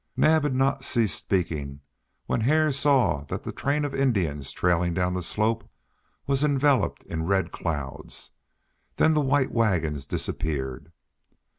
Naab had not ceased speaking when Hare saw that the train of Indians trailing down the slope was enveloped in red clouds. Then the white wagons disappeared.